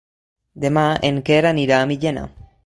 Demà en Quer anirà a Millena.